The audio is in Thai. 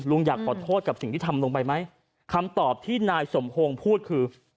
อยากขอโทษกับสิ่งที่ทำลงไปไหมคำตอบที่นายสมพงศ์พูดคือ